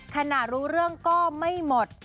รู้เรื่องก็ไม่หมด